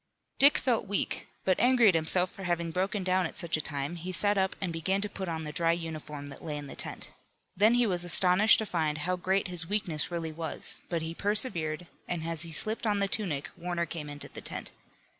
Dick felt weak, but angry at himself for having broken down at such a time, he sat up and began to put on the dry uniform that lay in the tent. Then he was astonished to find how great his weakness really was, but he persevered, and as he slipped on the tunic Warner came into the tent.